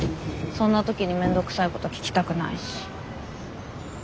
そんな時に面倒くさいこと聞きたくないし。